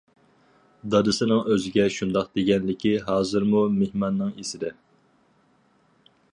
دادىسىنىڭ ئۆزىگە شۇنداق دېگەنلىكى ھازىرمۇ مېھماننىڭ ئېسىدە.